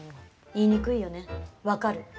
言いにくいよね、分かる。